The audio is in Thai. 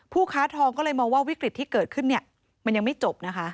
ค้าทองก็เลยมองว่าวิกฤตที่เกิดขึ้นเนี่ยมันยังไม่จบนะคะ